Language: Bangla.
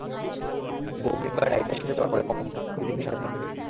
বমি বা ডায়রিয়া সেরে যাওয়ার পরে কমপক্ষে দুই দিন বাসায় থাকবেন।